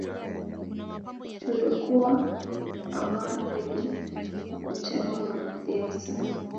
Chundokuwa pamoya kwenye mkuchano wa dhiasa.